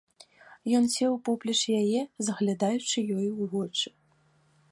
Ён сеў поплеч яе, заглядаючы ёй у вочы.